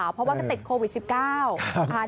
เพราะว่าก็ติดโควิด๑๙